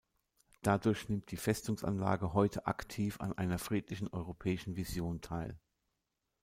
Dadurch nimmt die Festungsanlage heute aktiv an einer friedlichen europäischen Vision teil.